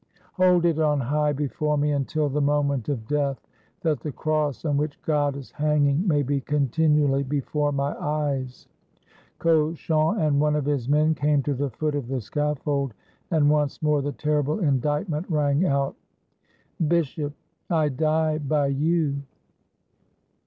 "Hold it on high before me until the moment of death, that the Cross on which God is hanging may be continually before my eyes." Cauchon and one of his men came to the foot of the scaffold, and once more the terrible indictment rang out: — "Bishop, I die by you!"